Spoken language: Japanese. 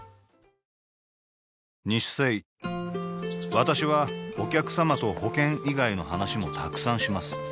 私はお客様と保険以外の話もたくさんします